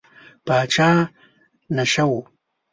پاچا نشه و.